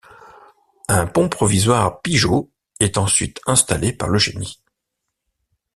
Un pont provisoire Pigeaud est ensuite installé par le Génie.